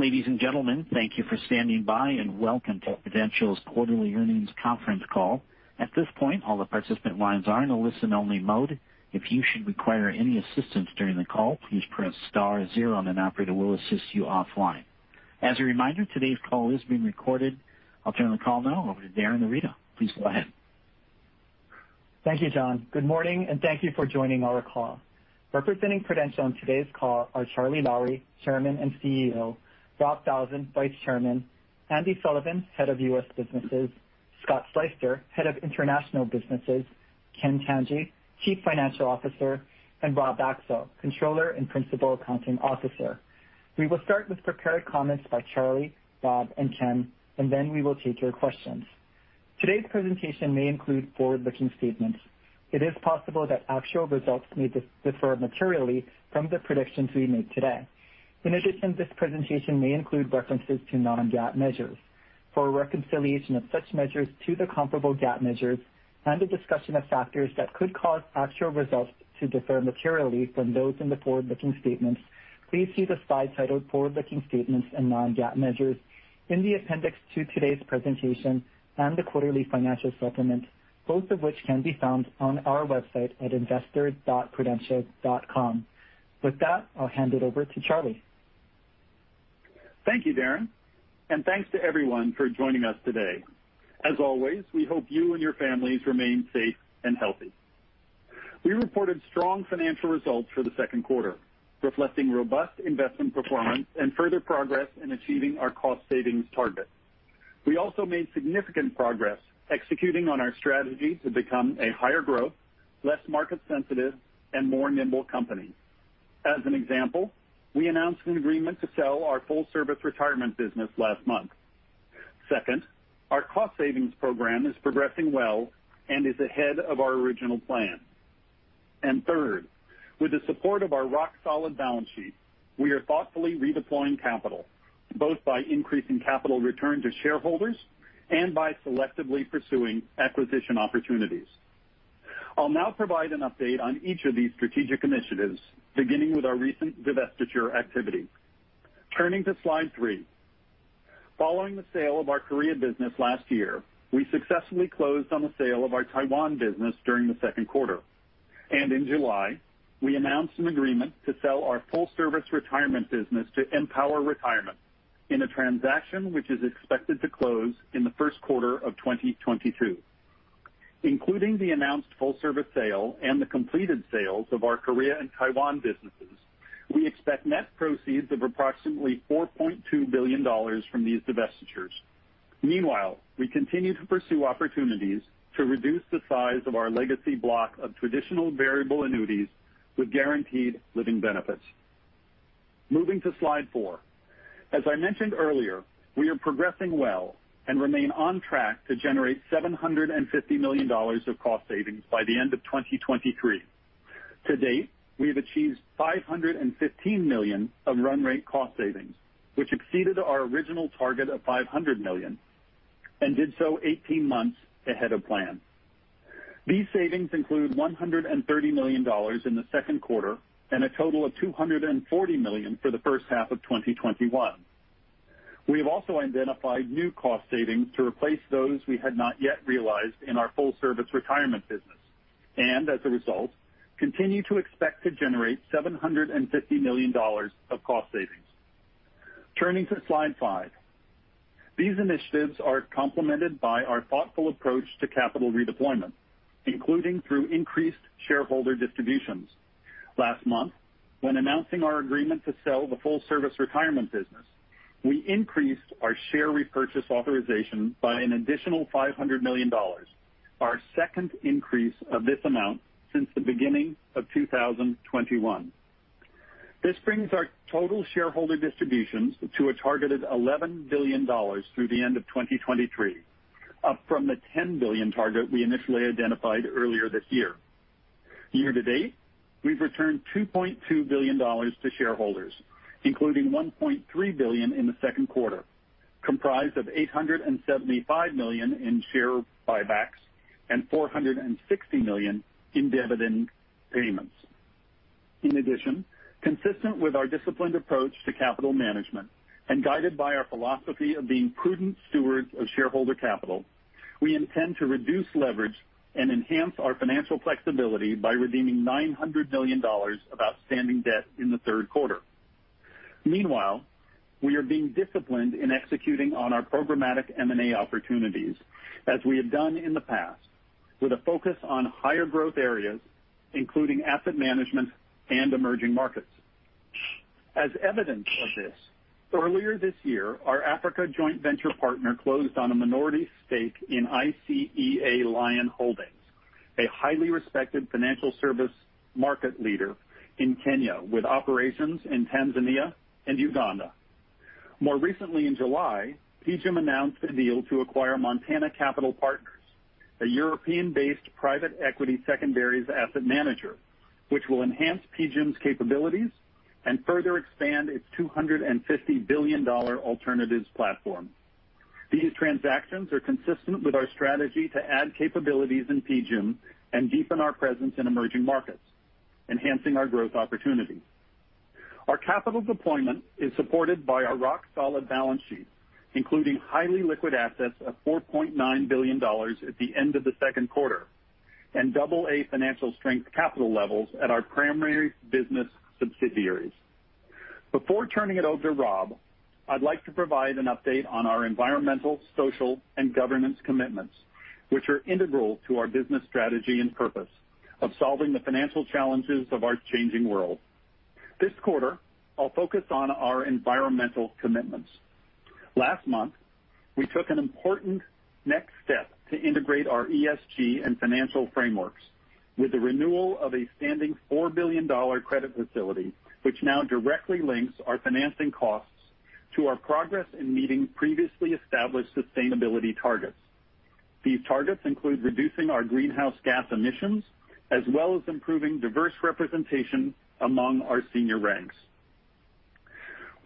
Ladies and gentlemen, thank you for standing by, and welcome to Prudential's quarterly earnings conference call. At this point, all the participant lines are in a listen-only mode. If you should require any assistance during the call, please press star zero, and an operator will assist you offline. As a reminder, today's call is being recorded. I'll turn the call now over to Darin Arita. Please go ahead. Thank you, John. Good morning. Thank you for joining our call. Representing Prudential on today's call are Charlie Lowrey, Chairman and CEO; Rob Falzon, Vice Chairman; Andy Sullivan, Head of U.S. Businesses; Scott Sleyster, Head of International businesses; Ken Tanji, Chief Financial Officer; and Rob Axel, Controller and Principal Accounting Officer. We will start with prepared comments by Charlie, Rob, and Ken. Then we will take your questions. Today's presentation may include forward-looking statements. It is possible that actual results may differ materially from the predictions we make today. In addition, this presentation may include references to non-GAAP measures. For a reconciliation of such measures to the comparable GAAP measures and a discussion of factors that could cause actual results to differ materially from those in the forward-looking statements, please see the slide titled Forward-Looking Statements and Non-GAAP Measures in the appendix to today's presentation and the quarterly financial supplement, both of which can be found on our website at investor.prudential.com. With that, I'll hand it over to Charlie. Thank you, Darin. Thanks to everyone for joining us today. As always, we hope you and your families remain safe and healthy. We reported strong financial results for the second quarter, reflecting robust investment performance and further progress in achieving our cost savings targets. We also made significant progress executing on our strategy to become a higher growth, less market sensitive, and more nimble company. As an example, we announced an agreement to sell our full-service retirement business last month. Second, our cost savings program is progressing well and is ahead of our original plan. Third, with the support of our rock-solid balance sheet, we are thoughtfully redeploying capital, both by increasing capital return to shareholders and by selectively pursuing acquisition opportunities. I'll now provide an update on each of these strategic initiatives, beginning with our recent divestiture activity. Turning to slide three. Following the sale of our Korea business last year, we successfully closed on the sale of our Taiwan business during the second quarter. In July, we announced an agreement to sell our full-service retirement business to Empower Retirement in a transaction which is expected to close in the first quarter of 2022. Including the announced full-service sale and the completed sales of our Korea and Taiwan businesses, we expect net proceeds of approximately $4.2 billion from these divestitures. Meanwhile, we continue to pursue opportunities to reduce the size of our legacy block of Traditional Variable Annuities with guaranteed living benefits. Moving to slide four. As I mentioned earlier, we are progressing well and remain on track to generate $750 million of cost savings by the end of 2023. To date, we have achieved $515 million of run rate cost savings, which exceeded our original target of $500 million, did so 18 months ahead of plan. These savings include $130 million in the second quarter and a total of $240 million for the first half of 2021. We have also identified new cost savings to replace those we had not yet realized in our full-service retirement business, as a result, continue to expect to generate $750 million of cost savings. Turning to slide five. These initiatives are complemented by our thoughtful approach to capital redeployment, including through increased shareholder distributions. Last month, when announcing our agreement to sell the full-service retirement business, we increased our share repurchase authorization by an additional $500 million, our second increase of this amount since the beginning of 2021. This brings our total shareholder distributions to a targeted $11 billion through the end of 2023, up from the $10 billion target we initially identified earlier this year. Year-to-date, we've returned $2.2 billion to shareholders, including $1.3 billion in the second quarter, comprised of $875 million in share buybacks and $460 million in dividend payments. In addition, consistent with our disciplined approach to capital management and guided by our philosophy of being prudent stewards of shareholder capital, we intend to reduce leverage and enhance our financial flexibility by redeeming $900 million of outstanding debt in the third quarter. Meanwhile, we are being disciplined in executing on our programmatic M&A opportunities, as we have done in the past, with a focus on higher growth areas, including asset management and emerging markets. As evidence of this, earlier this year, our Africa joint venture partner closed on a minority stake in ICEA LION Holdings, a highly respected financial service market leader in Kenya with operations in Tanzania and Uganda. More recently, in July, PGIM announced a deal to acquire Montana Capital Partners, a European-based private equity secondaries asset manager, which will enhance PGIM's capabilities and further expand its $250 billion alternatives platform. These transactions are consistent with our strategy to add capabilities in PGIM and deepen our presence in emerging markets, enhancing our growth opportunities. Our capital deployment is supported by our rock-solid balance sheet, including highly liquid assets of $4.9 billion at the end of the second quarter and AA financial strength capital levels at our primary business subsidiaries. Before turning it over to Rob, I'd like to provide an update on our environmental, social, and governance commitments, which are integral to our business strategy and purpose of solving the financial challenges of our changing world. This quarter, I'll focus on our environmental commitments. Last month, we took an important next step to integrate our ESG and financial frameworks with the renewal of a standing $4 billion credit facility, which now directly links our financing costs to our progress in meeting previously established sustainability targets. These targets include reducing our greenhouse gas emissions, as well as improving diverse representation among our senior ranks.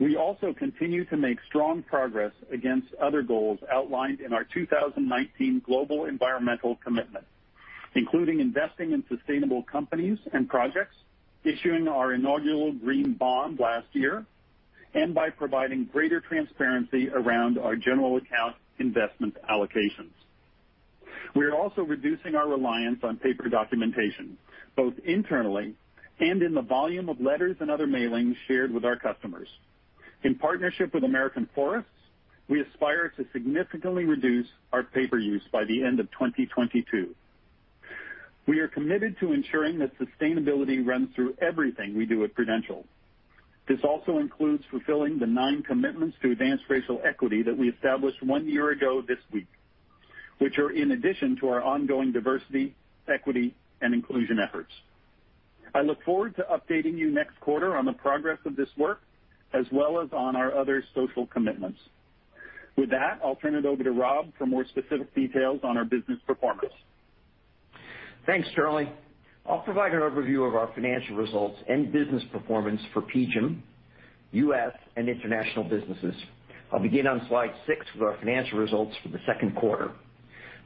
We also continue to make strong progress against other goals outlined in our 2019 global environmental commitment, including investing in sustainable companies and projects, issuing our inaugural green bond last year, and by providing greater transparency around our general account investment allocations. We are also reducing our reliance on paper documentation, both internally and in the volume of letters and other mailings shared with our customers. In partnership with American Forests, we aspire to significantly reduce our paper use by the end of 2022. We are committed to ensuring that sustainability runs through everything we do at Prudential. This also includes fulfilling the nine commitments to advance racial equity that we established one year ago this week, which are in addition to our ongoing diversity, equity, and inclusion efforts. I look forward to updating you next quarter on the progress of this work, as well as on our other social commitments. With that, I'll turn it over to Rob for more specific details on our business performance. Thanks, Charlie. I'll provide an overview of our financial results and business performance for PGIM, U.S., and International businesses. I'll begin on slide six with our financial results for the second quarter.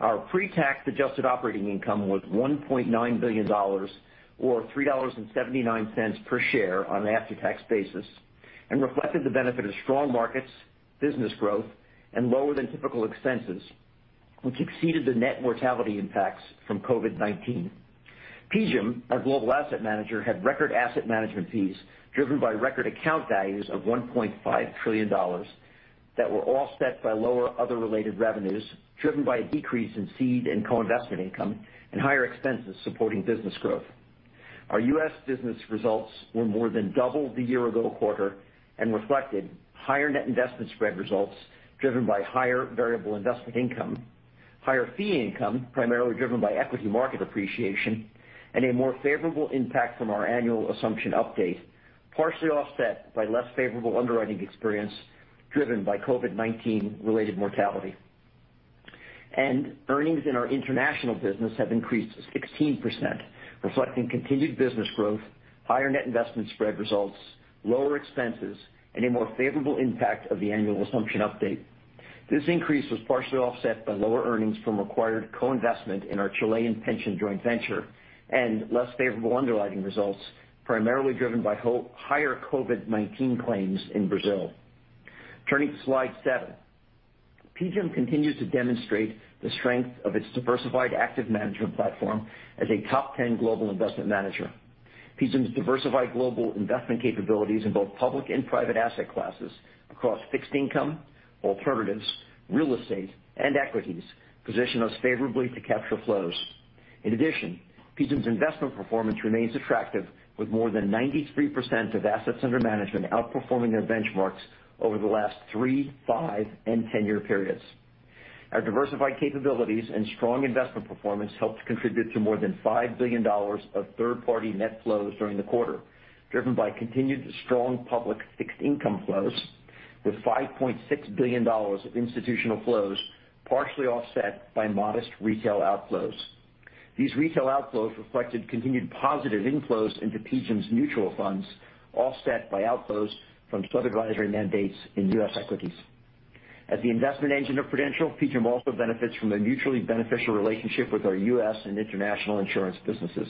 Our pre-tax adjusted operating income was $1.9 billion, or $3.79 per share on an after-tax basis, and reflected the benefit of strong markets, business growth, and lower than typical expenses, which exceeded the net mortality impacts from COVID-19. PGIM, our global asset manager, had record asset management fees driven by record account values of $1.5 trillion that were offset by lower other related revenues, driven by a decrease in seed and co-investment income and higher expenses supporting business growth. Our U.S. business results were more than double the year ago quarter and reflected higher net investment spread results driven by higher variable investment income, higher fee income, primarily driven by equity market appreciation, and a more favorable impact from our annual assumption update, partially offset by less favorable underwriting experience driven by COVID-19 related mortality. Earnings in our international business have increased 16%, reflecting continued business growth, higher net investment spread results, lower expenses, and a more favorable impact of the annual assumption update. This increase was partially offset by lower earnings from acquired co-investment in our Chilean pension joint venture and less favorable underwriting results, primarily driven by higher COVID-19 claims in Brazil. Turning to slide seven. PGIM continues to demonstrate the strength of its diversified active management platform as a top 10 global investment manager. PGIM's diversified global investment capabilities in both public and private asset classes across fixed income, alternatives, real estate, and equities position us favorably to capture flows. In addition, PGIM's investment performance remains attractive with more than 93% of assets under management outperforming their benchmarks over the last three, five, and 10-year periods. Our diversified capabilities and strong investment performance helped contribute to more than $5 billion of third-party net flows during the quarter, driven by continued strong public fixed income flows with $5.6 billion of institutional flows partially offset by modest retail outflows. These retail outflows reflected continued positive inflows into PGIM's mutual funds, offset by outflows from sub-advisory mandates in U.S. equities. As the investment engine of Prudential, PGIM also benefits from a mutually beneficial relationship with our U.S. and International insurance businesses.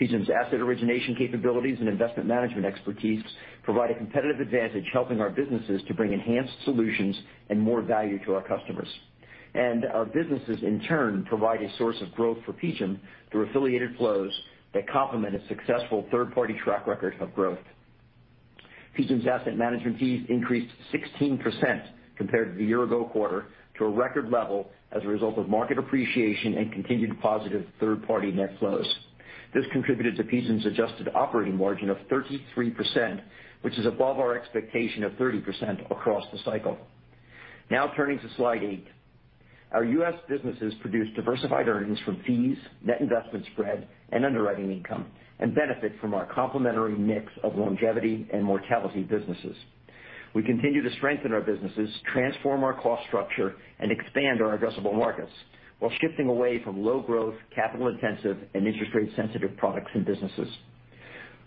PGIM's asset origination capabilities and investment management expertise provide a competitive advantage helping our businesses to bring enhanced solutions and more value to our customers. Our businesses, in turn, provide a source of growth for PGIM through affiliated flows that complement a successful third-party track record of growth. PGIM's asset management fees increased 16% compared to the year ago quarter to a record level as a result of market appreciation and continued positive third-party net flows. This contributed to PGIM's adjusted operating margin of 33%, which is above our expectation of 30% across the cycle. Now turning to slide eight. Our U.S. businesses produced diversified earnings from fees, net investment spread, and underwriting income, and benefit from our complementary mix of longevity and mortality businesses. We continue to strengthen our businesses, transform our cost structure, and expand our addressable markets while shifting away from low growth, capital intensive, and interest rate sensitive products and businesses.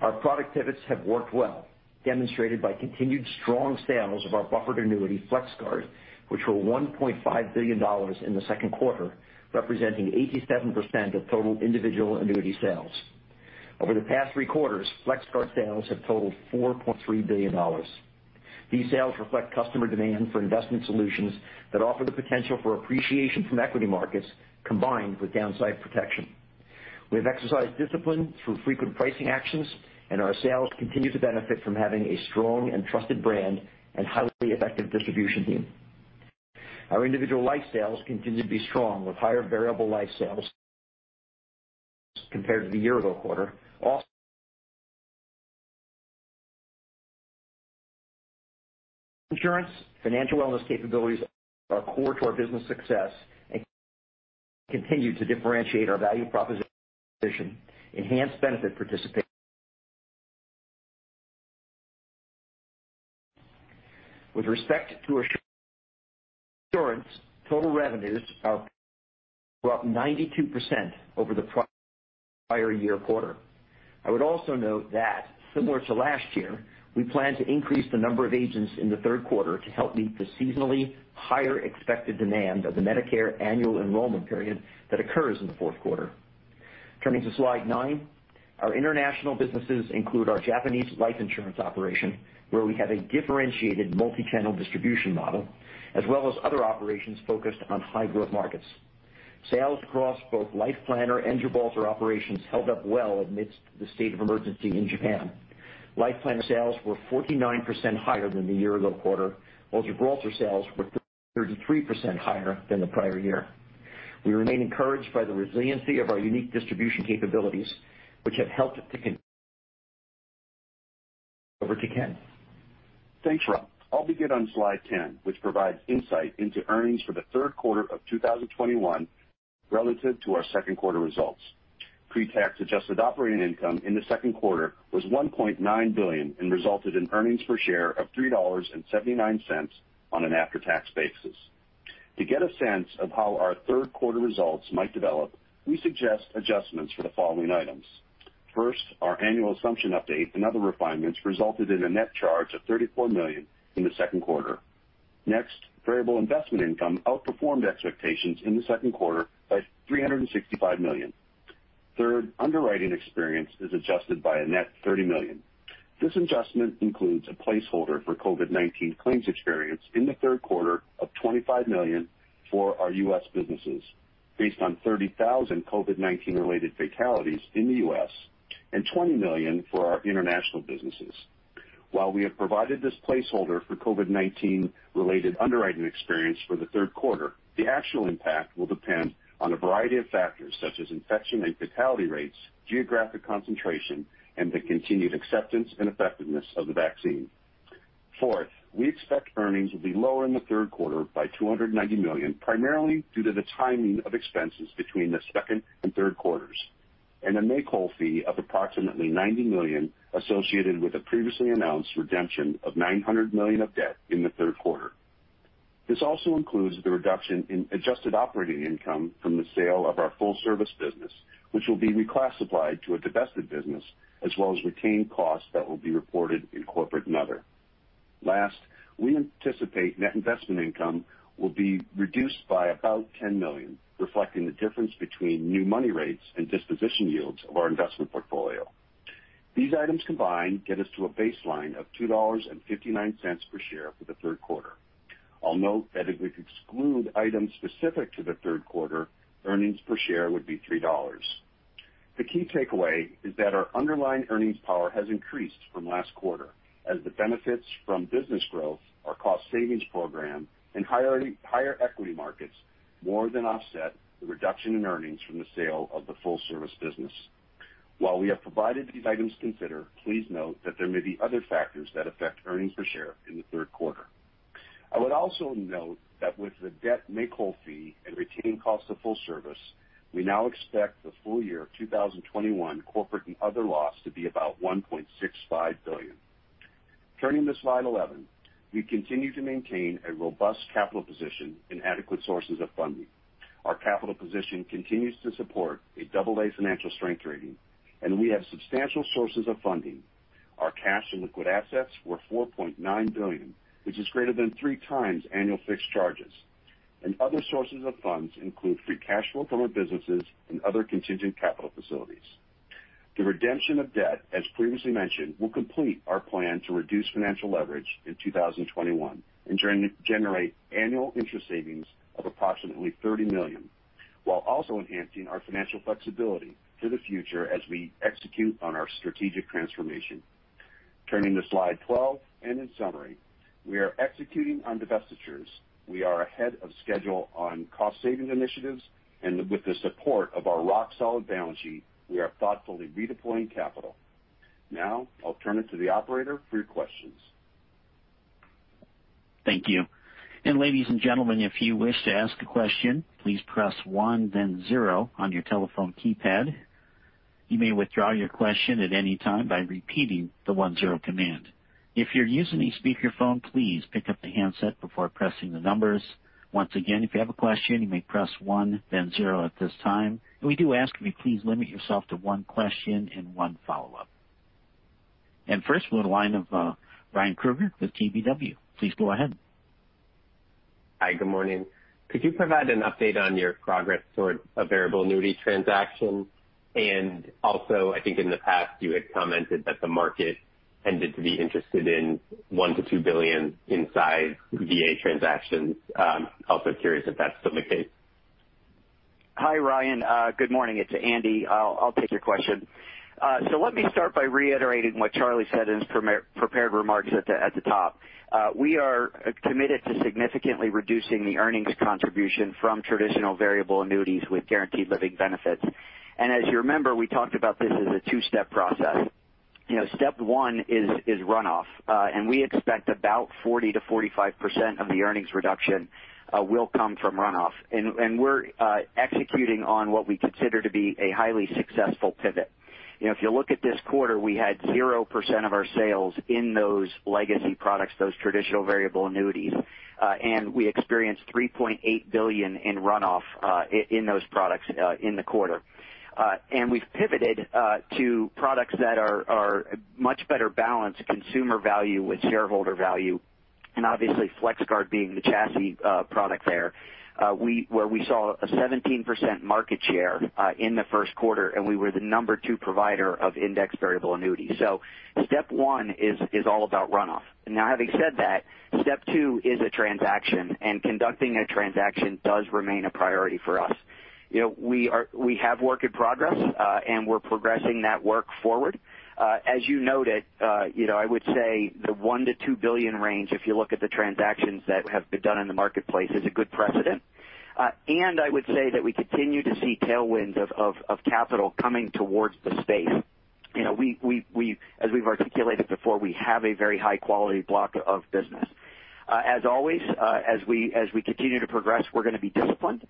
Our product pivots have worked well, demonstrated by continued strong sales of our buffered annuity, FlexGuard, which were $1.5 billion in the second quarter, representing 87% of total individual annuity sales. Over the past three quarters, FlexGuard sales have totaled $4.3 billion. These sales reflect customer demand for investment solutions that offer the potential for appreciation from equity markets, combined with downside protection. We have exercised discipline through frequent pricing actions, and our sales continue to benefit from having a strong and trusted brand and highly effective distribution team. Our individual life sales continue to be strong, with higher variable life sales compared to the year-ago quarter. Also, insurance financial wellness capabilities are core to our business success and continue to differentiate our value proposition, enhanced benefit participation. With respect to Assurance, total revenues are up 92% over the prior year quarter. I would also note that similar to last year, we plan to increase the number of agents in the third quarter to help meet the seasonally higher expected demand of the Medicare annual enrollment period that occurs in the fourth quarter. Turning to slide nine, our International businesses include our Japanese life insurance operation, where we have a differentiated multi-channel distribution model, as well as other operations focused on high-growth markets. Sales across both Life Planner and Gibraltar operations held up well amidst the state of emergency in Japan. Life Planner sales were 49% higher than the year-ago quarter, while Gibraltar sales were 33% higher than the prior year. We remain encouraged by the resiliency of our unique distribution capabilities, which have helped to. Over to Ken. Thanks, Rob. I'll begin on slide 10, which provides insight into earnings for the third quarter of 2021 relative to our second quarter results. Pre-tax adjusted operating income in the second quarter was $1.9 billion and resulted in earnings per share of $3.79 on an after-tax basis. To get a sense of how our third quarter results might develop, we suggest adjustments for the following items. First, our annual assumption update and other refinements resulted in a net charge of $34 million in the second quarter. Next, variable investment income outperformed expectations in the second quarter by $365 million. Third, underwriting experience is adjusted by a net $30 million. This adjustment includes a placeholder for COVID-19 claims experience in the third quarter of $25 million for our U.S. businesses based on 30,000 COVID-19-related fatalities in the U.S. and $20 million for our International businesses. While we have provided this placeholder for COVID-19-related underwriting experience for the third quarter, the actual impact will depend on a variety of factors such as infection and fatality rates, geographic concentration, and the continued acceptance and effectiveness of the vaccine. Fourth, we expect earnings will be lower in the third quarter by $290 million, primarily due to the timing of expenses between the second and third quarters, and a make-whole fee of approximately $90 million associated with the previously announced redemption of $900 million of debt in the third quarter. This also includes the reduction in adjusted operating income from the sale of our full-service business, which will be reclassified to a divested business, as well as retained costs that will be reported in corporate and other. Last, we anticipate net investment income will be reduced by about $10 million, reflecting the difference between new money rates and disposition yields of our investment portfolio. These items combined get us to a baseline of $2.59 per share for the third quarter. I'll note that if we exclude items specific to the third quarter, earnings per share would be $3. The key takeaway is that our underlying earnings power has increased from last quarter as the benefits from business growth, our cost savings program, and higher equity markets more than offset the reduction in earnings from the sale of the full-service business. While we have provided these items considered, please note that there may be other factors that affect earnings per share in the third quarter. I would also note that with the debt make-whole fee and retained cost of full-service, we now expect the full year 2021 corporate and other loss to be about $1.65 billion. Turning to slide 11, we continue to maintain a robust capital position and adequate sources of funding. Our capital position continues to support an AA financial strength rating, and we have substantial sources of funding. Our cash and liquid assets were $4.9 billion, which is greater than three times annual fixed charges, and other sources of funds include free cash flow from our businesses and other contingent capital facilities. The redemption of debt, as previously mentioned, will complete our plan to reduce financial leverage in 2021 and generate annual interest savings of approximately $30 million, while also enhancing our financial flexibility for the future as we execute on our strategic transformation. Turning to slide 12 and in summary, we are executing on divestitures. We are ahead of schedule on cost-saving initiatives, and with the support of our rock-solid balance sheet, we are thoughtfully redeploying capital. I'll turn it to the operator for your questions. Thank you. Ladies and gentlemen, if you wish to ask a question, please press one, then zero on your telephone keypad. You may withdraw your question at any time by repeating the one-zero command. If you're using a speakerphone, please pick up the handset before pressing the numbers. Once again, if you have a question, you may press one, then zero at this time. We do ask you please limit yourself to one question and one follow-up. First, we'll go to the line of Ryan Krueger with KBW. Please go ahead. Hi, good morning. Could you provide an update on your progress toward a Variable Annuity transaction? Also, I think in the past you had commented that the market tended to be interested in $1 billion-$2 billion in size VA transactions. I'm also curious if that's still the case. Hi, Ryan. Good morning. It's Andy. I'll take your question. Let me start by reiterating what Charlie said in his prepared remarks at the top. We are committed to significantly reducing the earnings contribution from Traditional Variable Annuities with guaranteed living benefits. As you remember, we talked about this as a two-step process. Step one is runoff. We expect about 40%-45% of the earnings reduction will come from runoff. We're executing on what we consider to be a highly successful pivot. If you look at this quarter, we had 0% of our sales in those legacy products, those Traditional Variable Annuities. We experienced $3.8 billion in runoff in those products in the quarter. We've pivoted to products that are much better balanced consumer value with shareholder value, and obviously FlexGuard being the chassis product there, where we saw a 17% market share in the first quarter, and we were the number two provider of Indexed Variable Annuities. Step one is all about runoff. Having said that, step two is a transaction, and conducting a transaction does remain a priority for us. We have work in progress, and we're progressing that work forward. As you noted, I would say the $1 billion-$2 billion range, if you look at the transactions that have been done in the marketplace, is a good precedent. I would say that we continue to see tailwinds of capital coming towards the space. As we've articulated before, we have a very high-quality block of business. As always as we continue to progress, we're going to be disciplined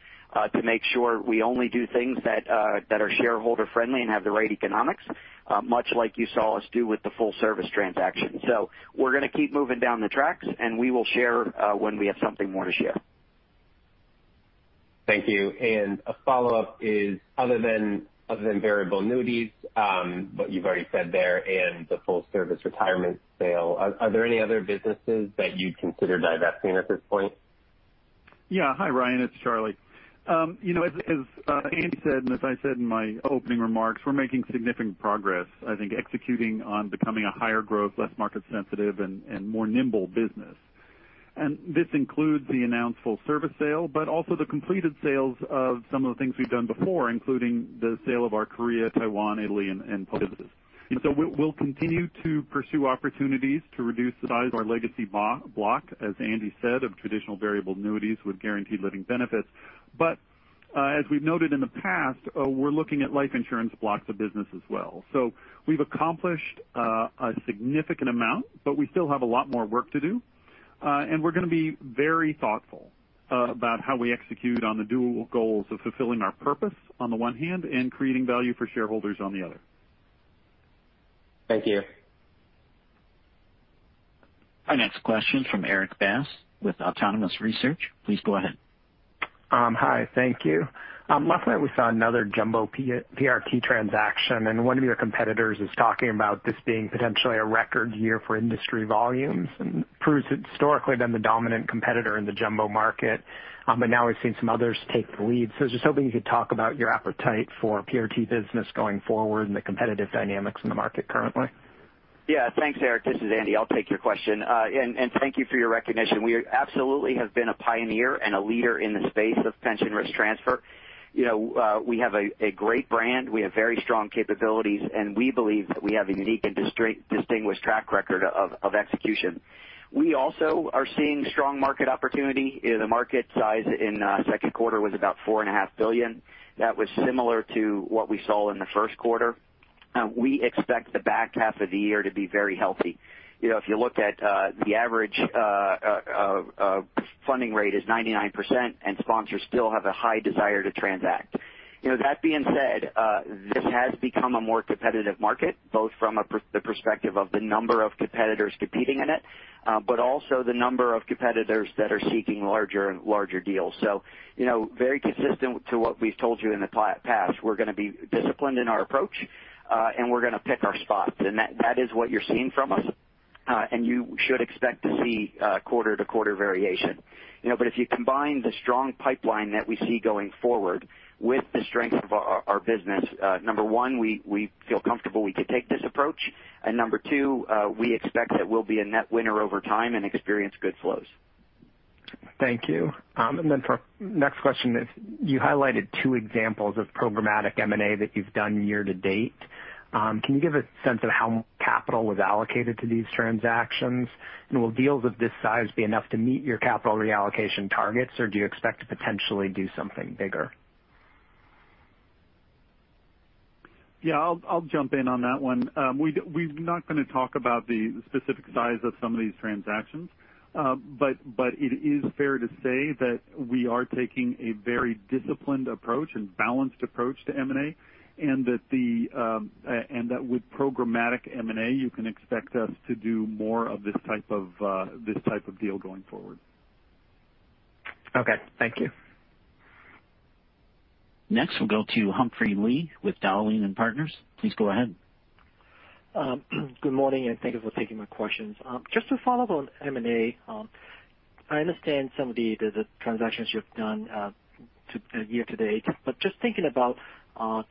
to make sure we only do things that are shareholder-friendly and have the right economics, much like you saw us do with the full-service transaction. We're going to keep moving down the tracks, and we will share when we have something more to share. Thank you. A follow-up is, other than Variable Annuities, what you've already said there, and the full-service retirement sale, are there any other businesses that you'd consider divesting at this point? Yeah. Hi, Ryan, it's Charlie. As Andy said, and as I said in my opening remarks, we're making significant progress, I think, executing on becoming a higher growth, less market sensitive, and more nimble business. This includes the announced full-service sale, but also the completed sales of some of the things we've done before, including the sale of our Korea, Taiwan, Italy, and Poland businesses. We'll continue to pursue opportunities to reduce the size of our legacy block, as Andy said, of Traditional Variable Annuities with guaranteed living benefits. As we've noted in the past, we're looking at life insurance blocks of business as well. We've accomplished a significant amount, but we still have a lot more work to do. We're going to be very thoughtful about how we execute on the dual goals of fulfilling our purpose on the one hand and creating value for shareholders on the other. Thank you. Our next question from Erik Bass with Autonomous Research. Please go ahead. Hi. Thank you. Last night we saw another Jumbo PRT transaction. One of your competitors is talking about this being potentially a record year for industry volumes. Prudential has historically been the dominant competitor in the jumbo market. Now we've seen some others take the lead. I was just hoping you could talk about your appetite for PRT business going forward and the competitive dynamics in the market currently. Yeah. Thanks, Erik. This is Andy. I'll take your question. Thank you for your recognition. We absolutely have been a pioneer and a leader in the space of pension risk transfer. We have a great brand, we have very strong capabilities. We believe that we have a unique and distinguished track record of execution. We also are seeing strong market opportunity. The market size in second quarter was about $4.5 billion. That was similar to what we saw in the first quarter. We expect the back half of the year to be very healthy. If you look at the average funding rate is 99%. Sponsors still have a high desire to transact. That being said, this has become a more competitive market, both from the perspective of the number of competitors competing in it, but also the number of competitors that are seeking larger deals. Very consistent to what we've told you in the past, we're going to be disciplined in our approach, and we're going to pick our spots. That is what you're seeing from us. You should expect to see quarter-to-quarter variation. If you combine the strong pipeline that we see going forward with the strength of our business, number one, we feel comfortable we could take this approach, and number two, we expect that we'll be a net winner over time and experience good flows. Thank you. For next question is, you highlighted two examples of programmatic M&A that you've done year to date. Can you give a sense of how capital was allocated to these transactions? Will deals of this size be enough to meet your capital reallocation targets, or do you expect to potentially do something bigger? Yeah, I'll jump in on that one. We're not going to talk about the specific size of some of these transactions. It is fair to say that we are taking a very disciplined approach and balanced approach to M&A, and that with programmatic M&A, you can expect us to do more of this type of deal going forward. Okay. Thank you. Next, we'll go to Humphrey Lee with Dowling & Partners. Please go ahead. Good morning. Thank you for taking my questions. Just to follow up on M&A, I understand some of the transactions you've done year to date, but just thinking about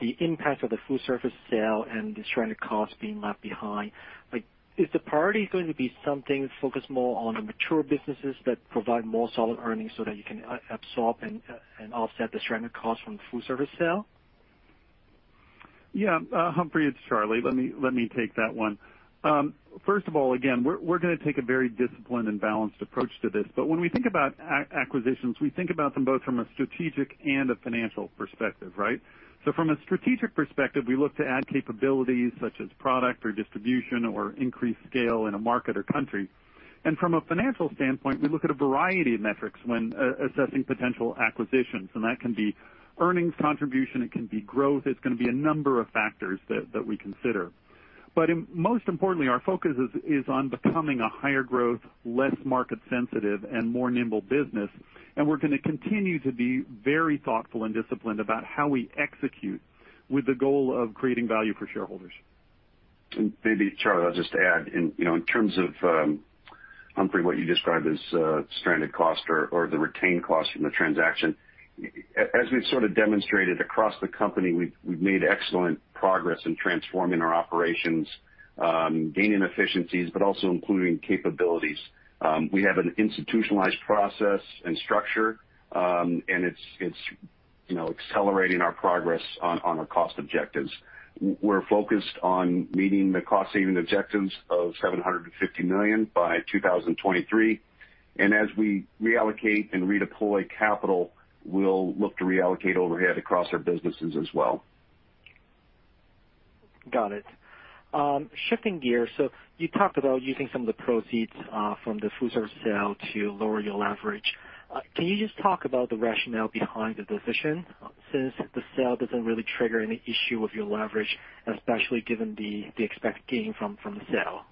the impact of the full-service sale and the stranded costs being left behind. Is the priority going to be something focused more on the mature businesses that provide more solid earnings so that you can absorb and offset the stranded costs from the full-service sale? Yeah, Humphrey, it's Charlie. Let me take that one. First of all, again, we're going to take a very disciplined and balanced approach to this. When we think about acquisitions, we think about them both from a strategic and a financial perspective, right? From a strategic perspective, we look to add capabilities such as product or distribution, or increase scale in a market or country. From a financial standpoint, we look at a variety of metrics when assessing potential acquisitions, and that can be earnings contribution, it can be growth. It's going to be a number of factors that we consider. Most importantly, our focus is on becoming a higher growth, less market sensitive, and more nimble business, and we're going to continue to be very thoughtful and disciplined about how we execute with the goal of creating value for shareholders. Maybe, Charlie, I'll just add in terms of, Humphrey, what you described as stranded cost or the retained cost from the transaction. As we've sort of demonstrated across the company, we've made excellent progress in transforming our operations, gaining efficiencies, but also including capabilities. We have an institutionalized process and structure, and it's accelerating our progress on our cost objectives. We're focused on meeting the cost-saving objectives of $750 million by 2023. As we reallocate and redeploy capital, we'll look to reallocate overhead across our businesses as well. Got it. Shifting gears. You talked about using some of the proceeds from the full-service sale to lower your leverage. Can you just talk about the rationale behind the decision, since the sale doesn't really trigger any issue with your leverage, especially given the expected gain from the sale?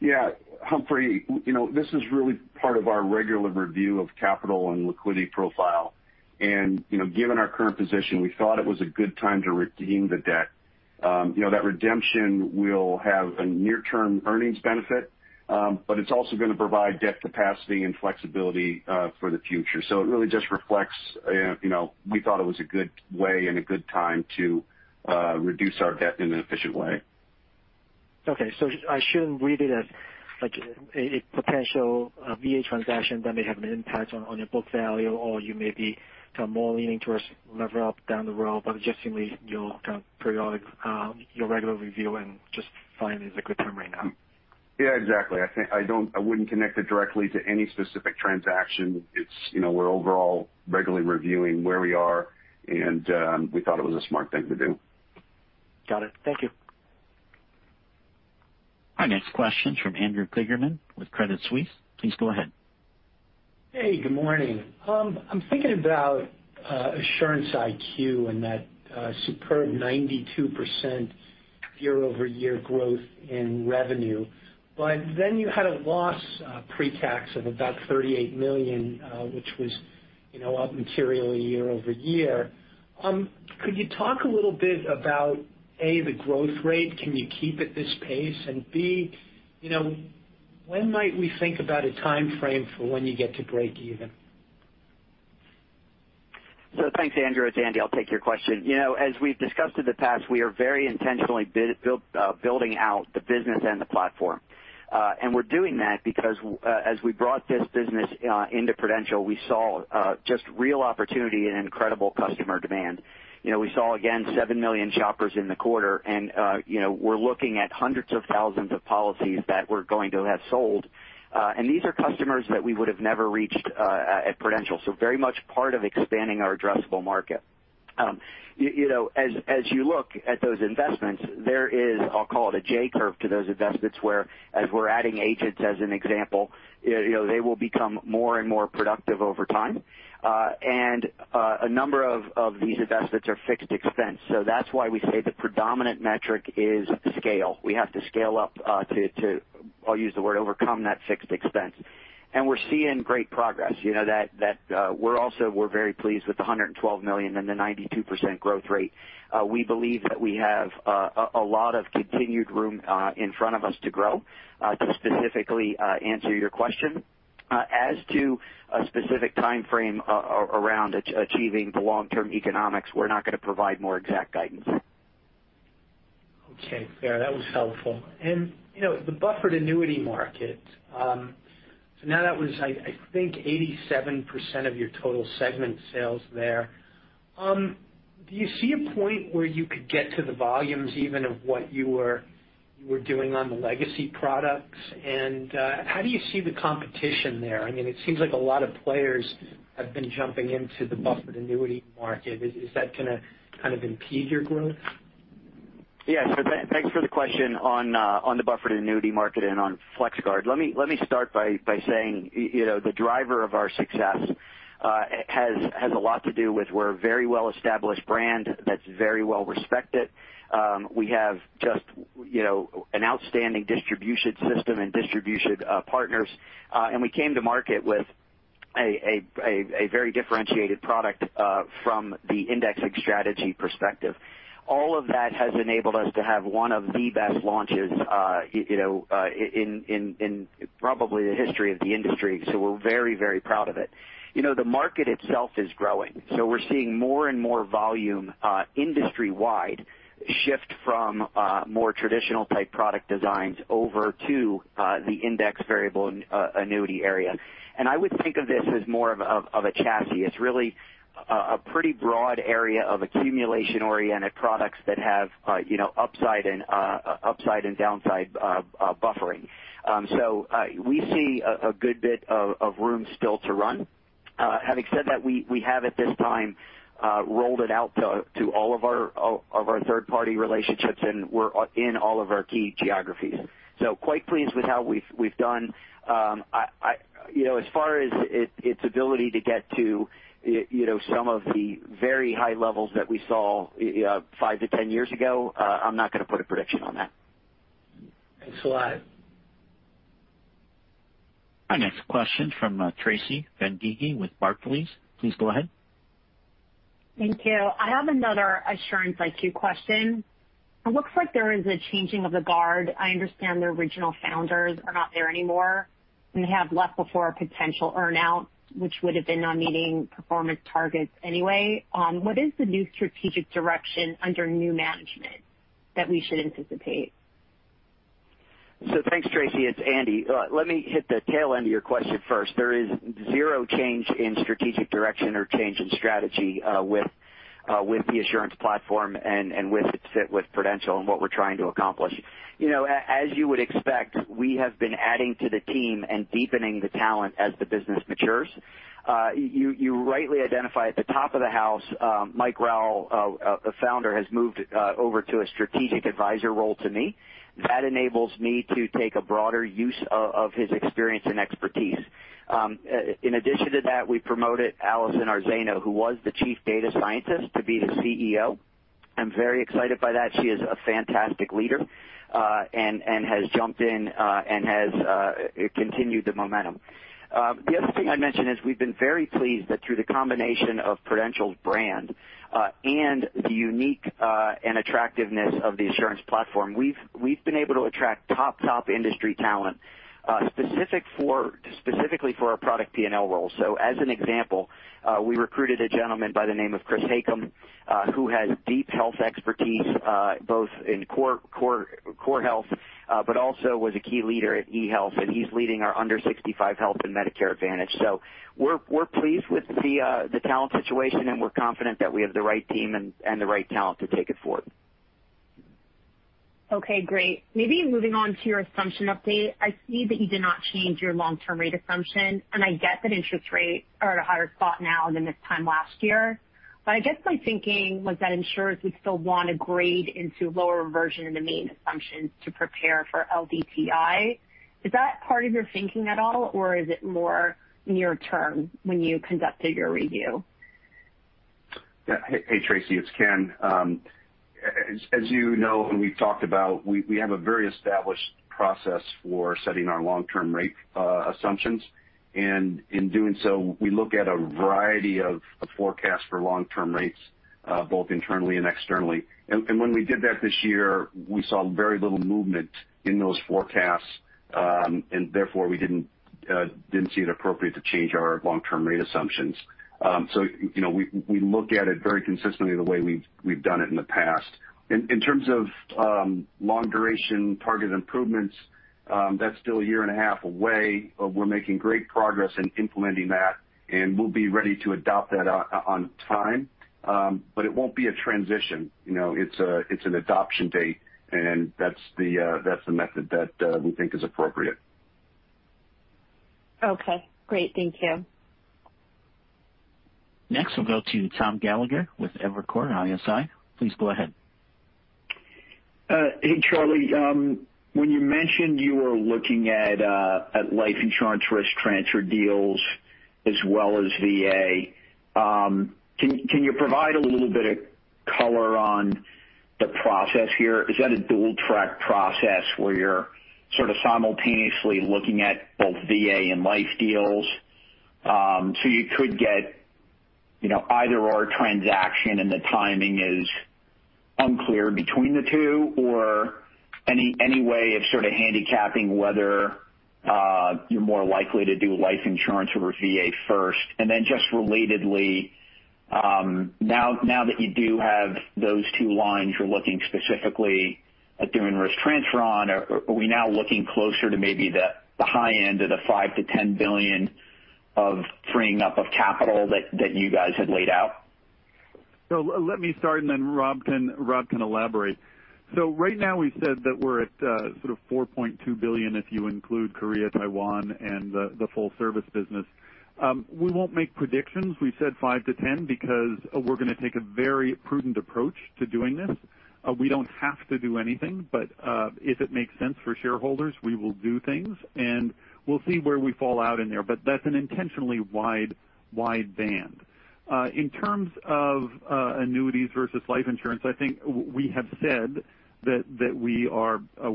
Yeah. Humphrey, this is really part of our regular review of capital and liquidity profile. Given our current position, we thought it was a good time to redeem the debt. That redemption will have a near-term earnings benefit. It's also going to provide debt capacity and flexibility for the future. It really just reflects we thought it was a good way and a good time to reduce our debt in an efficient way. Okay, I shouldn't read it as a potential VA transaction that may have an impact on your book value, or you may be more leaning towards lever up down the road. Just simply your kind of periodic, your regular review and just find is a good time right now. Yeah, exactly. I wouldn't connect it directly to any specific transaction. We're overall regularly reviewing where we are, and we thought it was a smart thing to do. Got it. Thank you. Our next question is from Andrew Kligerman with Credit Suisse. Please go ahead. Hey, good morning. I'm thinking about Assurance IQ and that superb 92% year-over-year growth in revenue. You had a loss pre-tax of about $38 million which was up materially year-over-year. Could you talk a little bit about, A, the growth rate? Can you keep at this pace? B, when might we think about a timeframe for when you get to break even? Thanks, Andrew. It's Andy. I'll take your question. As we've discussed in the past, we are very intentionally building out the business and the platform. We're doing that because as we brought this business into Prudential, we saw just real opportunity and incredible customer demand. We saw, again, 7 million shoppers in the quarter, and we're looking at hundreds of thousands of policies that we're going to have sold. These are customers that we would have never reached at Prudential. Very much part of expanding our addressable market. As you look at those investments, there is, I'll call it a J curve to those investments, where as we're adding agents, as an example, they will become more and more productive over time. A number of these investments are fixed expense. That's why we say the predominant metric is scale. We have to scale up to, I'll use the word, overcome that fixed expense. We're seeing great progress. We're very pleased with the $112 million and the 92% growth rate. We believe that we have a lot of continued room in front of us to grow to specifically answer your question. As to a specific timeframe around achieving the long-term economics, we're not going to provide more exact guidance. Okay, fair. That was helpful. The buffered annuity market. Now that was, I think, 87% of your total segment sales there. Do you see a point where you could get to the volumes even of what you were doing on the legacy products? How do you see the competition there? It seems like a lot of players have been jumping into the buffered annuity market. Is that going to kind of impede your growth? Thanks for the question on the buffered annuity market and on FlexGuard. Let me start by saying the driver of our success has a lot to do with we're a very well-established brand that's very well respected. We have just an outstanding distribution system and distribution partners. We came to market with a very differentiated product, from the indexing strategy perspective. All of that has enabled us to have one of the best launches in probably the history of the industry, so we're very proud of it. The market itself is growing. We're seeing more and more volume industry-wide shift from more traditional type product designs over to the Indexed Variable Annuity area. I would think of this as more of a chassis. It's really a pretty broad area of accumulation-oriented products that have upside and downside buffering. We see a good bit of room still to run. Having said that, we have, at this time, rolled it out to all of our third-party relationships, and we're in all of our key geographies. Quite pleased with how we've done. As far as its ability to get to some of the very high levels that we saw five to 10 years ago, I'm not going to put a prediction on that. Thanks a lot. Our next question from Tracy Benguigui with Barclays. Please go ahead. Thank you. I have another Assurance IQ question. It looks like there is a changing of the guard. I understand the original founders are not there anymore. They have left before a potential earn-out, which would have been on meeting performance targets anyway. What is the new strategic direction under new management that we should anticipate? Thanks, Tracy. It's Andy. Let me hit the tail end of your question first. There is zero change in strategic direction or change in strategy with the Assurance platform and with its fit with Prudential and what we're trying to accomplish. As you would expect, we have been adding to the team and deepening the talent as the business matures. You rightly identify at the top of the house, Mike Rowell, a Founder, has moved over to a Strategic Advisor role to me. That enables me to take a broader use of his experience and expertise. In addition to that, we promoted Allison Arzeno, who was the Chief Data Scientist, to be the CEO. I'm very excited by that. She is a fantastic leader, and has jumped in and has continued the momentum. The other thing I'd mention is we've been very pleased that through the combination of Prudential's brand, and the unique and attractiveness of the Assurance platform, we've been able to attract top industry talent specifically for our product P&L role. As an example, we recruited a gentleman by the name of Chris Haycom, who has deep health expertise, both in core health, but also was a key leader at eHealth, and he's leading our under 65 health and Medicare Advantage. We're pleased with the talent situation, and we're confident that we have the right team and the right talent to take it forward. Okay, great. Maybe moving on to your assumption update. I see that you did not change your long-term rate assumption. I get that interest rates are at a higher spot now than this time last year. I guess my thinking was that insurers would still want to grade into lower reversion in the main assumptions to prepare for LDTI. Is that part of your thinking at all, or is it more near term when you conducted your review? Yeah. Hey, Tracy, it's Ken. As you know, and we've talked about, we have a very established process for setting our long-term rate assumptions. In doing so, we look at a variety of forecasts for long-term rates, both internally and externally. When we did that this year, we saw very little movement in those forecasts, and therefore we didn't see it appropriate to change our long-term rate assumptions. We look at it very consistently the way we've done it in the past. In terms of long-duration targeted improvements, that's still a year and a half away, we're making great progress in implementing that, and we'll be ready to adopt that on time. It won't be a transition. It's an adoption date, and that's the method that we think is appropriate. Okay, great. Thank you. Next, we'll go to Tom Gallagher with Evercore ISI. Please go ahead. Hey, Charlie. When you mentioned you were looking at life insurance risk transfer deals as well as VA, can you provide a little bit of color on the process here? Is that a dual-track process where you're sort of simultaneously looking at both VA and life deals? You could get either/or transaction and the timing is unclear between the two, or any way of sort of handicapping whether you're more likely to do life insurance over VA first? Just relatedly, now that you do have those two lines you're looking specifically at doing risk transfer on, are we now looking closer to maybe the high end of the $5 billion-$10 billion of freeing up of capital that you guys had laid out? Let me start, and then Rob can elaborate. Right now we said that we're at sort of $4.2 billion if you include Korea, Taiwan, and the full-service business. We won't make predictions. We said $5 billion-$10 billion because we're going to take a very prudent approach to doing this. We don't have to do anything, but if it makes sense for shareholders, we will do things, and we'll see where we fall out in there. That's an intentionally wide band. In terms of annuities versus life insurance, I think we have said that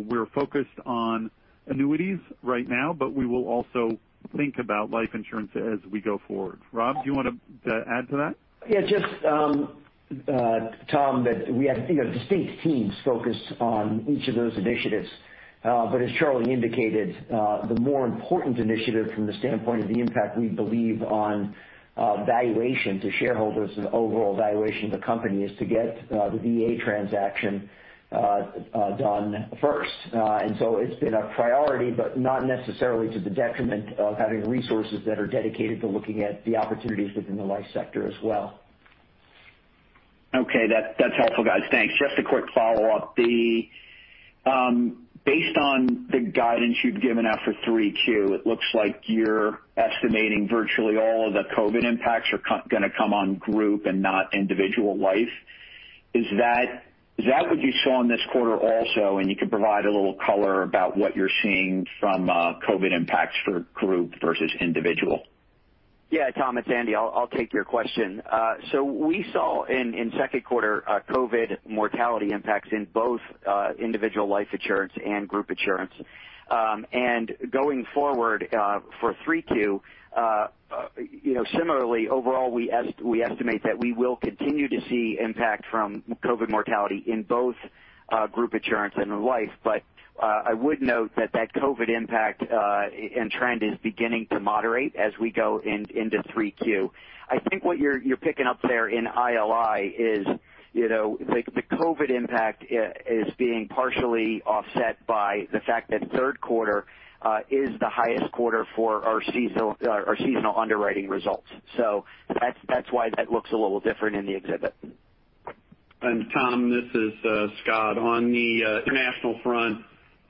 we're focused on annuities right now. We will also think about life insurance as we go forward. Rob, do you want to add to that? Yes, Tom, that we have distinct teams focused on each of those initiatives. As Charlie indicated, the more important initiative from the standpoint of the impact we believe on valuation to shareholders and overall valuation of the company is to get the VA transaction done first. It's been a priority, but not necessarily to the detriment of having resources that are dedicated to looking at the opportunities within the life sector as well. Okay. That's helpful, guys. Thanks. Just a quick follow-up. Based on the guidance you've given after 3Q, it looks like you're estimating virtually all of the COVID-19 impacts are going to come on Group and not Individual Life. Is that what you saw in this quarter also? You can provide a little color about what you're seeing from COVID-19 impacts for Group versus Individual. Tom, it's Andy. I'll take your question. We saw in second quarter COVID-19 mortality impacts in both Individual Life Insurance and Group Insurance. Going forward for 3Q, similarly, overall, we estimate that we will continue to see impact from COVID-19 mortality in both Group Insurance and in Life. I would note that that COVID-19 impact and trend is beginning to moderate as we go into 3Q. I think what you're picking up there in ILI is the COVID-19 impact is being partially offset by the fact that 3Q is the highest quarter for our seasonal underwriting results. That's why that looks a little different in the exhibit. Tom, this is Scott. On the International front,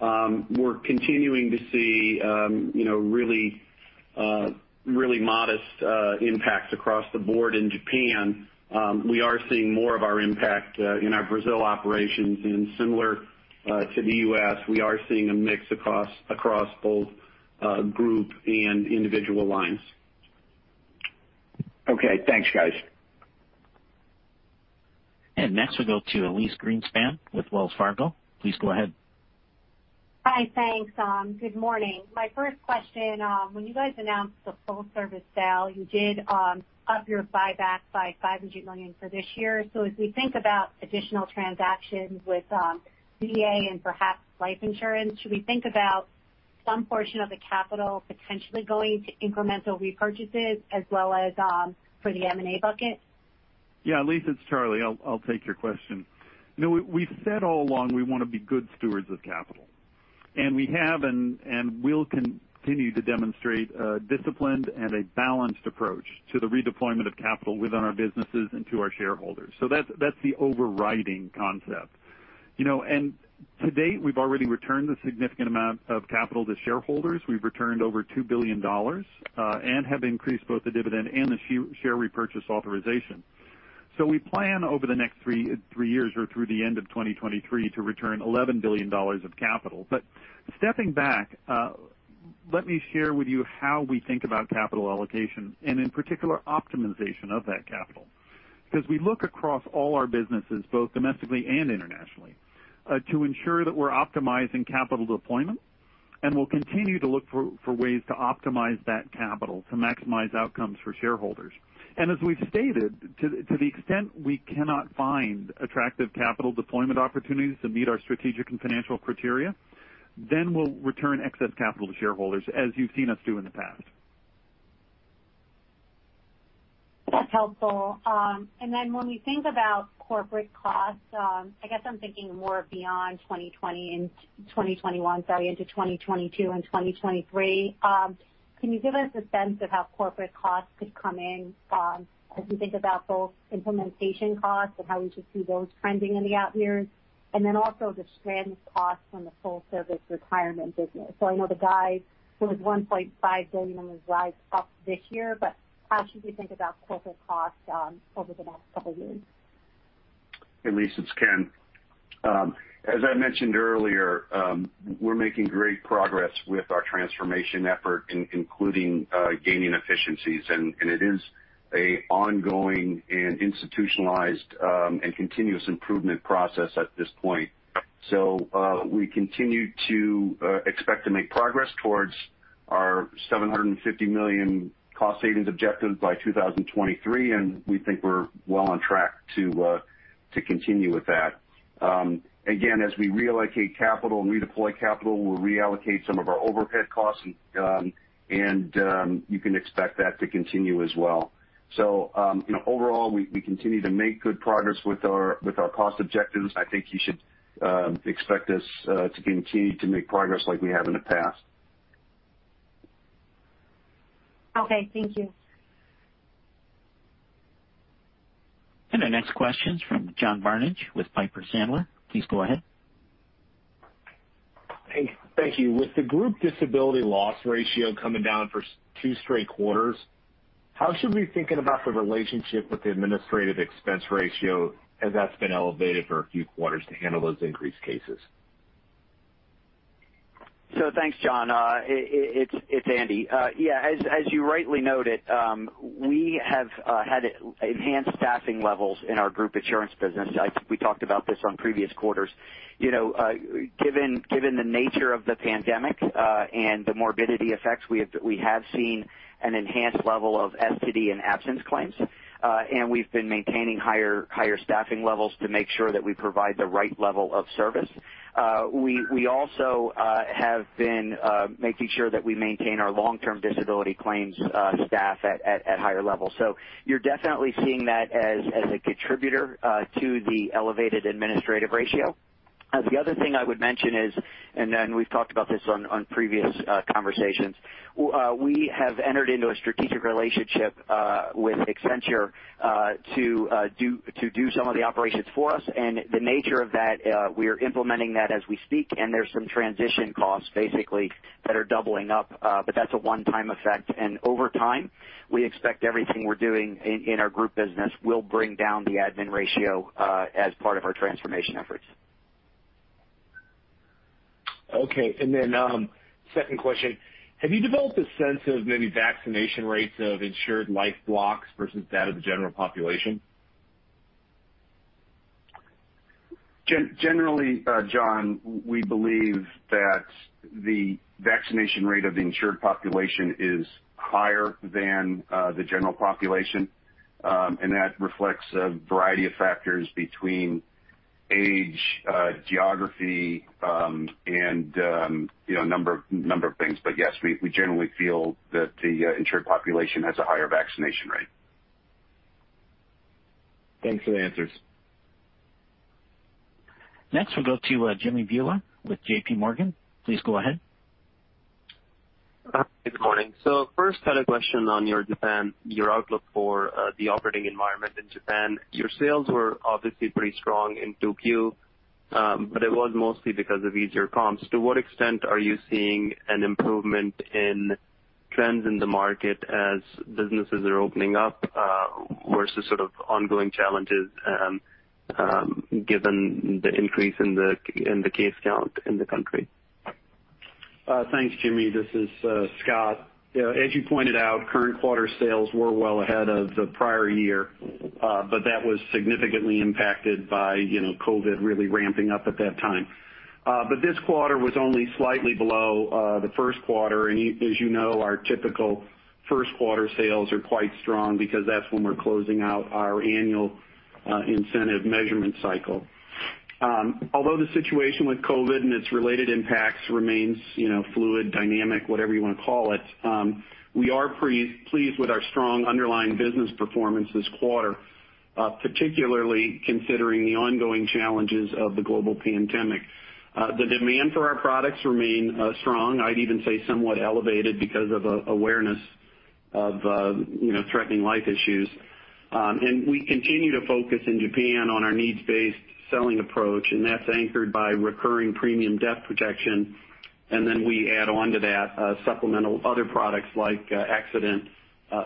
we're continuing to see really modest impacts across the board in Japan. We are seeing more of our impact in our Brazil operations. Similar to the U.S., we are seeing a mix across both Group and Individual lines. Okay, thanks, guys. Next we go to Elyse Greenspan with Wells Fargo. Please go ahead. Hi, thanks. Good morning. My first question, when you guys announced the full-service sale, you did up your buyback by $500 million for this year. As we think about additional transactions with VA and perhaps life insurance, should we think about some portion of the capital potentially going to incremental repurchases as well as for the M&A bucket? Yeah, Elyse, it's Charlie, I'll take your question. No, we've said all along we want to be good stewards of capital, and we have and will continue to demonstrate a disciplined and a balanced approach to the redeployment of capital within our businesses and to our shareholders. That's the overriding concept. To date, we've already returned a significant amount of capital to shareholders. We've returned over $2 billion and have increased both the dividend and the share repurchase authorization. We plan over the next three years or through the end of 2023 to return $11 billion of capital. Stepping back, let me share with you how we think about capital allocation and in particular, optimization of that capital, because we look across all our businesses, both domestically and internationally, to ensure that we're optimizing capital deployment, and we'll continue to look for ways to optimize that capital to maximize outcomes for shareholders. As we've stated, to the extent we cannot find attractive capital deployment opportunities that meet our strategic and financial criteria, then we'll return excess capital to shareholders as you've seen us do in the past. That's helpful. When we think about corporate costs, I guess I'm thinking more beyond 2020 and 2021, sorry, into 2022 and 2023. Can you give us a sense of how corporate costs could come in as we think about both implementation costs and how we should see those trending in the out years? Also the stranded costs from the full-service retirement business. I know the guide, there was $1.5 billion of guide cost this year, but how should we think about corporate costs over the next couple years? Elyse, it's Ken. As I mentioned earlier, we're making great progress with our transformation effort, including gaining efficiencies, and it is an ongoing and institutionalized and continuous improvement process at this point. We continue to expect to make progress towards our $750 million cost savings objectives by 2023, and we think we're well on track to continue with that. Again, as we reallocate capital and redeploy capital, we'll reallocate some of our overhead costs, and you can expect that to continue as well. Overall, we continue to make good progress with our cost objectives, and I think you should expect us to continue to make progress like we have in the past. Okay. Thank you. Our next question's from John Barnidge with Piper Sandler. Please go ahead. Thank you. With the Group Disability loss ratio coming down for two-straight quarters, how should we be thinking about the relationship with the administrative expense ratio, as that's been elevated for a few quarters to handle those increased cases? Thanks, John. It's Andy. Yeah, as you rightly noted, we have had enhanced staffing levels in our group insurance business. I think we talked about this on previous quarters. Given the nature of the pandemic, and the morbidity effects, we have seen an enhanced level of indemnity and absence claims. We've been maintaining higher staffing levels to make sure that we provide the right level of service. We also have been making sure that we maintain our long-term disability claims staff at higher levels. You're definitely seeing that as a contributor to the elevated administrative ratio. The other thing I would mention is, and we've talked about this on previous conversations, we have entered into a strategic relationship with Accenture to do some of the operations for us. The nature of that, we are implementing that as we speak, and there's some transition costs basically that are doubling up. That's a one-time effect, and over time, we expect everything we're doing in our group business will bring down the admin ratio as part of our transformation efforts. Okay. Second question. Have you developed a sense of maybe vaccination rates of insured life blocks versus that of the general population? Generally, John, we believe that the vaccination rate of the insured population is higher than the general population. That reflects a variety of factors between age, geography, and a number of things, but yes, we generally feel that the insured population has a higher vaccination rate. Thanks for the answers. Next, we'll go to Jimmy Bhullar with JPMorgan. Please go ahead. Good morning. First, had a question on your Japan, your outlook for the operating environment in Japan. Your sales were obviously pretty strong in 2Q, but it was mostly because of easier comps. To what extent are you seeing an improvement in trends in the market as businesses are opening up versus sort of ongoing challenges given the increase in the case count in the country? Thanks, Jimmy. This is Scott. As you pointed out, current quarter sales were well ahead of the prior year. That was significantly impacted by COVID really ramping up at that time. This quarter was only slightly below the first quarter, and as you know, our typical first quarter sales are quite strong because that's when we're closing out our annual incentive measurement cycle. Although the situation with COVID and its related impacts remains fluid, dynamic, whatever you want to call it, we are pleased with our strong underlying business performance this quarter, particularly considering the ongoing challenges of the global pandemic. The demand for our products remain strong. I'd even say somewhat elevated because of awareness of threatening life issues. We continue to focus in Japan on our needs-based selling approach, and that's anchored by recurring premium death protection, and then we add on to that supplemental other products like accident,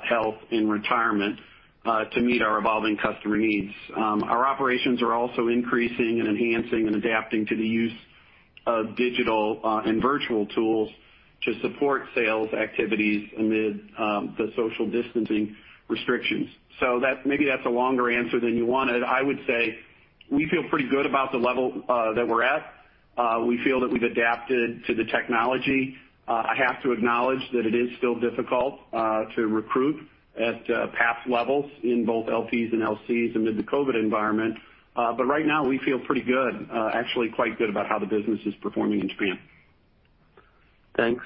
health, and retirement to meet our evolving customer needs. Our operations are also increasing and enhancing and adapting to the use of digital and virtual tools to support sales activities amid the social distancing restrictions. Maybe that's a longer answer than you wanted. I would say we feel pretty good about the level that we're at. We feel that we've adapted to the technology. I have to acknowledge that it is still difficult to recruit at past levels in both LPs and LCs amid the COVID-19 environment. Right now, we feel pretty good, actually quite good about how the business is performing in Japan. Thanks.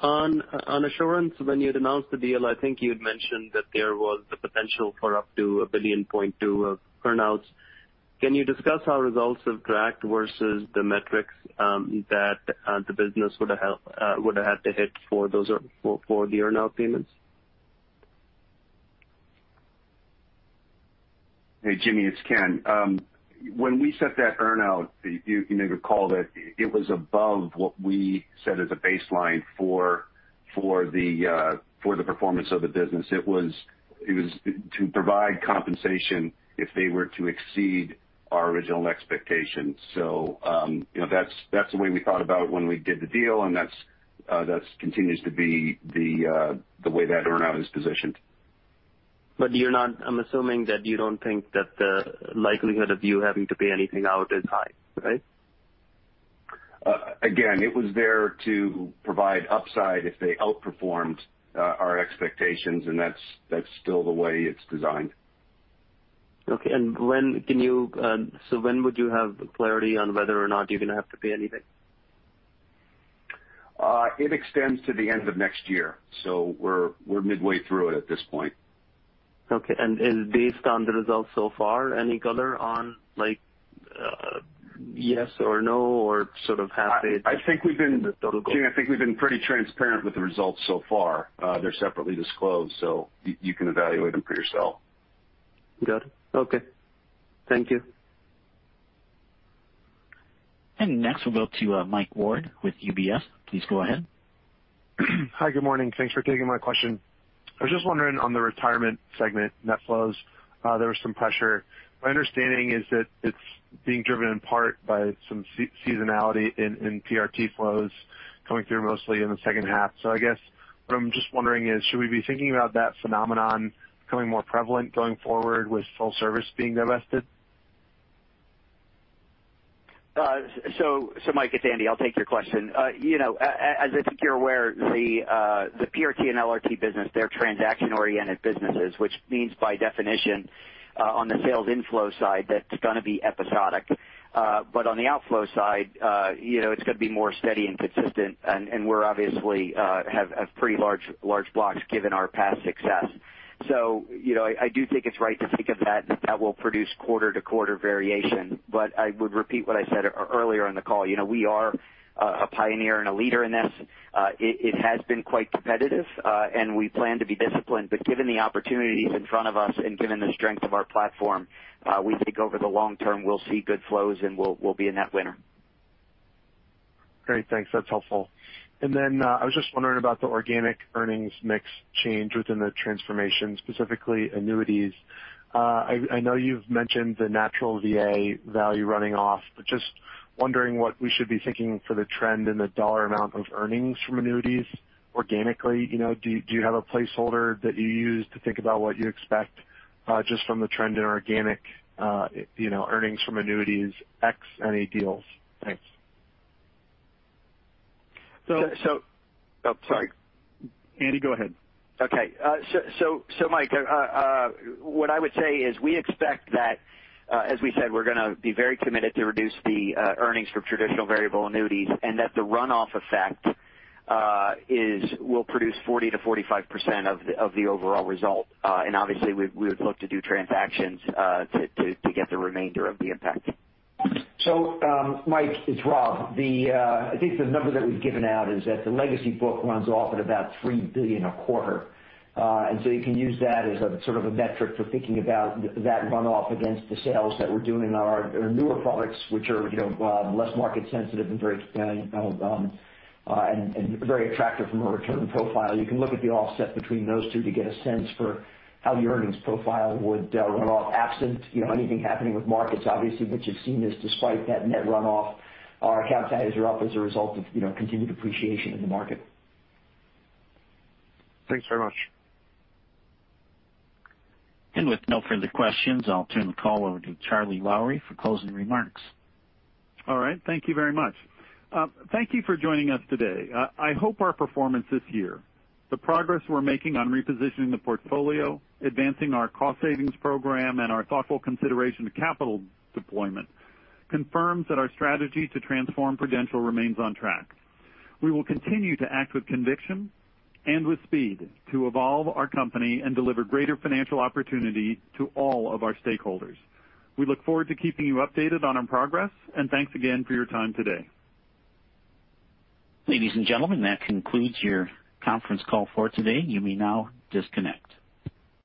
On Assurance, when you had announced the deal, I think you had mentioned that there was the potential for up to $1.2 billion of earn-outs. Can you discuss how results have tracked versus the metrics that the business would have had to hit for the earn-out payments? Hey, Jimmy, it's Ken. When we set that earn-out, you may recall that it was above what we set as a baseline for the performance of the business. It was to provide compensation if they were to exceed our original expectations. That's the way we thought about when we did the deal, and that continues to be the way that earn-out is positioned. I'm assuming that you don't think that the likelihood of you having to pay anything out is high, right? Again, it was there to provide upside if they outperformed our expectations, and that's still the way it's designed. Okay. When would you have clarity on whether or not you're going to have to pay anything? It extends to the end of next year. We're midway through it at this point. Okay. Based on the results so far, any color on yes or no? Jimmy, I think we've been pretty transparent with the results so far. They're separately disclosed. You can evaluate them for yourself. Got it. Okay. Thank you. Next, we'll go to Michael Ward with UBS. Please go ahead. Hi. Good morning. Thanks for taking my question. I was just wondering on the retirement segment net flows, there was some pressure. My understanding is that it's being driven in part by some seasonality in PRT flows coming through mostly in the second half. I guess what I'm just wondering is, should we be thinking about that phenomenon becoming more prevalent going forward with full-service being divested? Mike, it's Andy. I'll take your question. As I think you're aware, the PRT and LRT business, they're transaction-oriented businesses, which means by definition, on the sales inflow side, that's going to be episodic. On the outflow side, it's going to be more steady and consistent. We obviously have pretty large blocks given our past success. I do think it's right to think of that will produce quarter-to-quarter variation. I would repeat what I said earlier in the call. We are a pioneer and a leader in this. It has been quite competitive, and we plan to be disciplined, but given the opportunities in front of us and given the strength of our platform, we think over the long term, we'll see good flows and we'll be a net winner. Great. Thanks. That's helpful. I was just wondering about the organic earnings mix change within the transformation, specifically annuities. I know you've mentioned the natural VA value running off, just wondering what we should be thinking for the trend in the dollar amount of earnings from annuities organically. Do you have a placeholder that you use to think about what you expect, just from the trend in organic earnings from annuities ex any deals? Thanks. Sorry. Andy, go ahead. Okay. Mike, what I would say is we expect that, as we said, we're going to be very committed to reduce the earnings from Traditional Variable Annuities, and that the runoff effect will produce 40%-45% of the overall result. Obviously, we would look to do transactions to get the remainder of the impact. Mike, it's Rob. I think the number that we've given out is that the legacy book runs off at about $3 billion a quarter. You can use that as a sort of a metric for thinking about that runoff against the sales that we're doing in our newer products, which are less market sensitive and very attractive from a return profile. You can look at the offset between those two to get a sense for how the earnings profile would run off absent anything happening with markets, obviously, what you've seen is despite that net runoff, our account values are up as a result of continued appreciation in the market. Thanks very much. With no further questions, I'll turn the call over to Charlie Lowrey for closing remarks. All right, thank you very much. Thank you for joining us today. I hope our performance this year, the progress we're making on repositioning the portfolio, advancing our cost savings program, and our thoughtful consideration of capital deployment confirms that our strategy to transform Prudential remains on track. We will continue to act with conviction and with speed to evolve our company and deliver greater financial opportunity to all of our stakeholders. We look forward to keeping you updated on our progress. Thanks again for your time today. Ladies and gentlemen, that concludes your conference call for today. You may now disconnect.